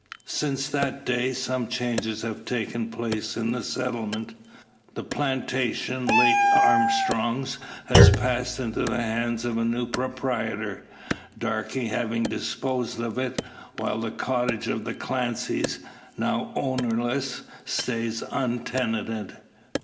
Since that day some changes have taken place in the settlement. The plantation late Armstrong's has passed into the hands of a new proprietor Darke having disposed of it while the cottage of the Clancys, now ownerless, stays untenanted.